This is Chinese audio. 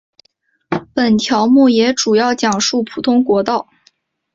本条目也主要讲述普通国道。